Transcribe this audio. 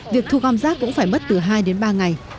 việc thu gom rác cũng phải mất từ hai đến ba ngày